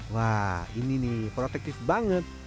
wah ini nih protektif banget